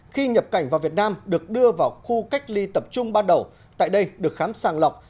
khi nhập cảnh vào việt nam được đưa vào khu cách ly tập trung ban đầu tại đây được khám sàng lọc